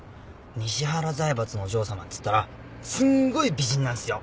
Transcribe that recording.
西原財閥のお嬢さまつったらすんごい美人なんすよ。